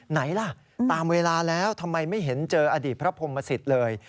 ไหนล่ะตามเวลาแล้วทำไมไม่เห็นเจออดีตพระพรหมสิตเลย